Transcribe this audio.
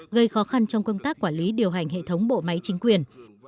gây khó khăn trong công tác quản lý điều hành hệ thống bộ máy chính quyền